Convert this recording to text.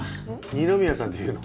二宮さんっていうの？